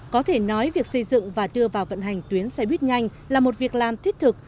có thể nói việc xây dựng và đưa vào vận hành tuyến xe buýt nhanh là một việc làm thiết thực